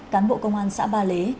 cán bộ công an xã ba lế